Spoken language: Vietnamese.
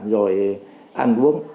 rồi ăn bún